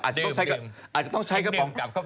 อาจจะต้องใช้กระป๋องกลับ